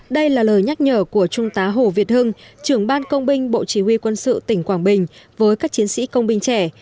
đây là lời nhắc nhở của trung tá hồ việt hưng trưởng ban công binh bộ chỉ huy quân sự tỉnh quảng bình với các chiến sĩ công binh trẻ